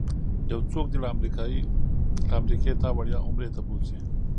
یو څوک دې له امریکې تا وړیا عمرې ته بوځي.